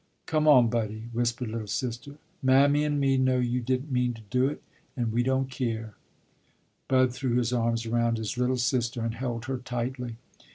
"Come on, Buddie," whispered "little sister," "Mammy an' me know you didn't mean to do it, an' we don't keer." Bud threw his arms around his little sister and held her tightly.